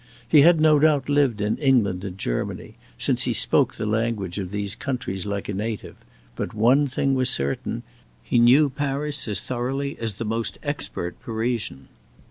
He had no doubt lived in England and Germany, since he spoke the language of these countries like a native; but one thing was certain he knew Paris as thoroughly as the most expert Parisian.